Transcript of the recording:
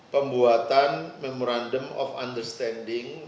pembuatan memorandum of understanding